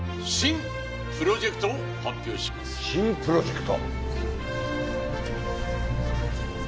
新プロジェクト？